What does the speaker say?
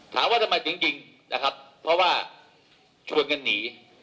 ถามว่าทำไมถึงยิงนะครับเพราะว่าชวนกันหนี